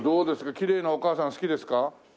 きれいなお母さん好きですか？